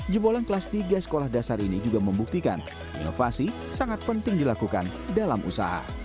jebolan kelas tiga sekolah dasar ini juga membuktikan inovasi sangat penting dilakukan dalam usaha